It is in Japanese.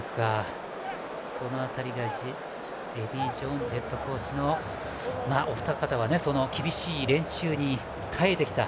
その辺りがエディー・ジョーンズヘッドコーチのお二方は、その厳しい練習に耐えてきた。